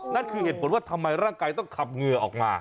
นั่นคือเหตุผลว่าทำไมร่างกายต้องขับเหงื่อออกมา